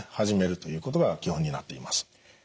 始めるということが基本になっています。